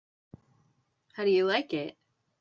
How do you like it?